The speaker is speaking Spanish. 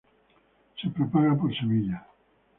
Se propaga por semilla.